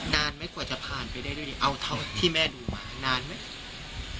นานไหมกว่าจะผ่านไปเรื่อยเอาเท่าที่แม่ดูมานานไหม